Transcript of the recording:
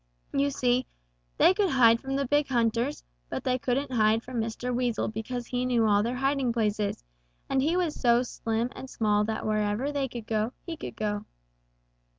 You see, they could hide from the big hunters, but they couldn't hide from Mr. Weasel because he knew all their hiding places, and he was so slim and small that wherever they could go, he could go.